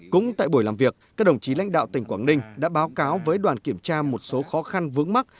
cũng tại buổi làm việc các đồng chí lãnh đạo tỉnh quảng ninh đã báo cáo với đoàn kiểm tra một số khó khăn vướng mắt